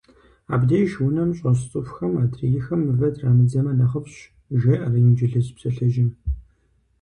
Абдж унэм щӏэс цӏыхухэм адрейхэм мывэ трамыдзэмэ нэхъыфӏщ, жеӏэр инджылыз псалъэжьым.